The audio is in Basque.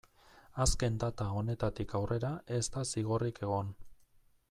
Azken data honetatik aurrera ez da zigorrik egon.